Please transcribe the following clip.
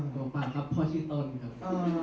ขอบคุณพ่อชื่อต้นครับ